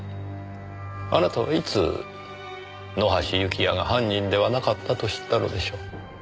あなたはいつ野橋幸也が犯人ではなかったと知ったのでしょう。